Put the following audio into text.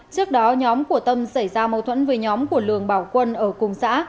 trước đó nhóm của tâm xảy ra mâu thuẫn với nhóm của lường bảo quân ở cùng xã